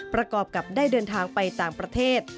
ประกอบกับได้เดินทางไปต่างประเทศ